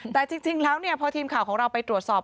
แต่จริงแล้วพอทีมข่าวของเราไปตรวจสอบ